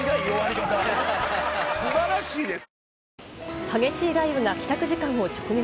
素晴らしいです。